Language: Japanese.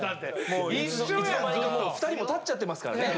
もういつの間にかもう２人も立っちゃってますからね。